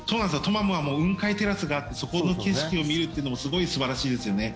トマムは雲海テラスがあってそこの景色を見るっていうのもすごい素晴らしいですよね。